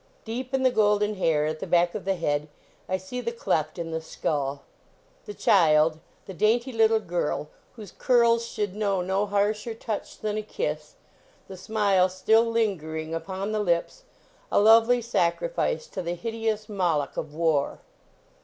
Deep in the golden hair at the back of the head I see the cleft in the skull. The child; the dainty little girl, whose curls should know no harsher touch than a kiss the smile still lingering upon the lips a lovely sacrifice to the hideous Moloch of war.